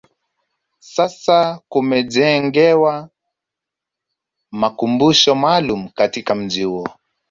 sasa kumejengewa makumbusho maalum katika mji huo